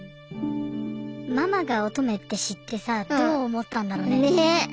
ママが乙女って知ってさどう思ったんだろうね。ね。